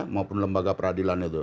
maupun lembaga peradilan itu